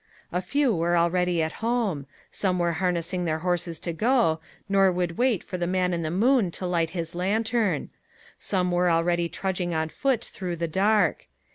A few were already at home; some were harnessing their horses to go, nor would wait for the man in the moon to light his lantern; some were already trudging on foot through the dark.